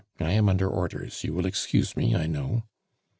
I am under orders, you will excuse me, I know?